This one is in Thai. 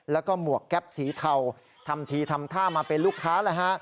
แล้วก็หมวกแก๊ปสีเทาทำทีทำท่ามาเป็นลูกค้าเลยฮะ